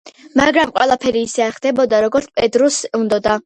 მაგრამ ყველაფერი ისე არ ხდებოდა როგორც პედრუს უნდოდა.